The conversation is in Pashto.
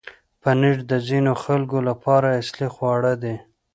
پنېر د ځینو خلکو لپاره اصلي خواړه دی.